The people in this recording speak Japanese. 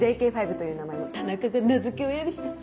ＪＫ５という名前も田中が名付け親でして。